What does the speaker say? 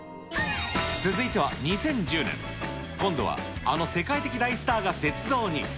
続いては２０１０年、今度は、あの世界的大スターが雪像に。